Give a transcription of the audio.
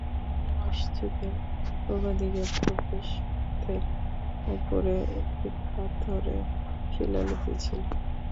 মসজিদের পূর্বদিকের প্রবেশপথের উপরে একটি পাথরের শিলালিপি ছিল।